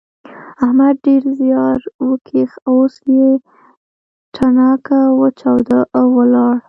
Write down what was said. احمد ډېر زیار وکيښ اوس يې تڼاکه وچاوده او ولاړ.